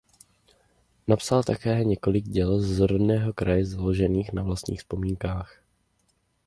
Napsala také několik děl z rodného kraje založených na vlastních vzpomínkách.